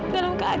dan ini biar